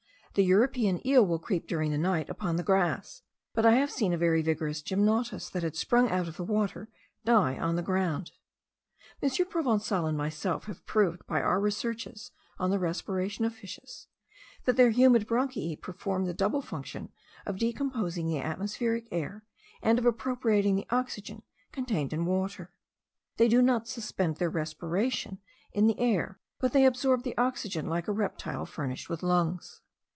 The European eel will creep during the night upon the grass; but I have seen a very vigorous gymnotus that had sprung out of the water, die on the ground. M. Provencal and myself have proved by our researches on the respiration of fishes, that their humid bronchiae perform the double function of decomposing the atmospheric air, and of appropriating the oxygen contained in water. They do not suspend their respiration in the air; but they absorb the oxygen like a reptile furnished with lungs.